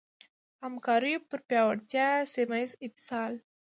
همکاریو پر پیاوړتیا ، سيمهييز اتصال